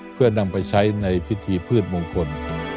เพื่อนำไปใช้ในพิธีพืชมงคล